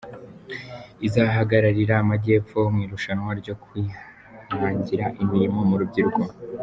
izahagararira Amajyepfo mu irushanwa ryo Kwihangira Imirimo mu rubyiruko